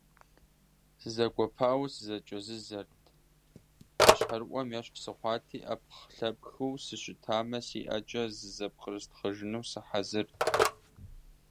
Сызэгуэпауэ сызэщӀэкӀэзызэрт, хьэщхьэрыӀуэм ещхь сыхъуати, Ӏэпхлъэпхыу сыщымытамэ, си ӀэкӀэ зызэпкърыстхъыжыну сыхьэзырт.